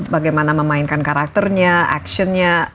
bagaimana memainkan karakternya actionnya